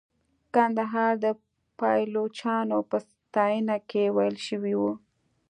د کندهار د پایلوچانو په ستاینه کې ویل شوې وه.